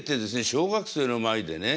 小学生の前でね。